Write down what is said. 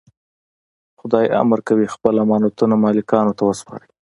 خدای امر کوي خپل امانتونه مالکانو ته وسپارئ.